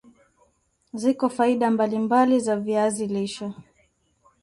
ziko faida mbali mbali za viazi lishe